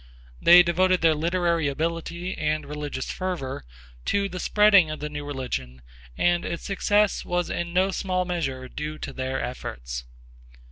They devoted their literary ability and religious fervor to the spreading of the new religion and its success was in no small measure due to their efforts.